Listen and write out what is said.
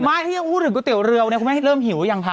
ไม่พูดถึงก๋วยเตี๋ยวเรียวเนี่ยคุณแม่ให้เริ่มหิวหรือยังพะ